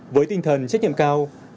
với tinh thần trách nhiệm cao